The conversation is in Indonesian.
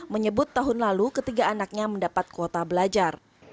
menyebut tahun lalu ketiga anaknya mendapat kuota belajar